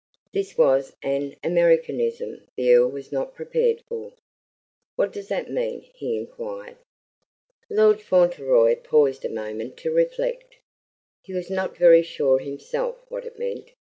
This was an Americanism the Earl was not prepared for. "What does that mean?" he inquired. Lord Fauntleroy paused a moment to reflect. He was not very sure himself what it meant.